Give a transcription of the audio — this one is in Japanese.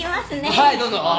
はいどうぞ。